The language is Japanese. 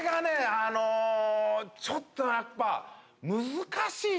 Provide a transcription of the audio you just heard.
あのちょっとやっぱ。